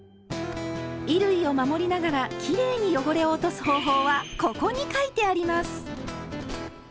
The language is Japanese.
衣類を守りながらきれいに汚れを落とす方法は「ここ」に書いてあります！